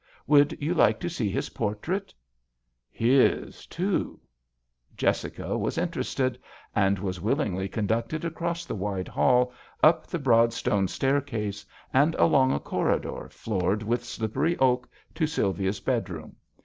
Would you like to see his por trait ?" His too ! Jessica was interested, and was willingly conducted across the wide hall, up the broad stone staircase, and along a corridor, floored with slippery oak, to Sylvia's bedroom.